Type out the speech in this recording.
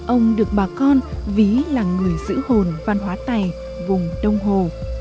ông được bà con ví là người giữ hồn văn hóa tày vùng đông hồ